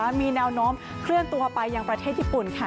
มีแนวโน้มเคลื่อนตัวไปยังประเทศญี่ปุ่นค่ะ